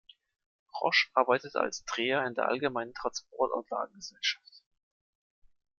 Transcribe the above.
Rosch arbeitete als Dreher in der "Allgemeinen Transportanlagen-Gesellschaft".